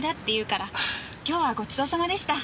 今日はごちそうさまでした。